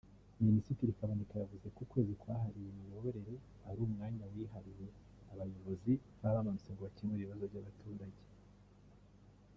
Minisitiri Kaboneka yavuze ko ukwezi kwahariwe Imiyoborere ari umwanya wihariwe abayobozi baba bamanutse ngo bakemure ibibazo by’abaturage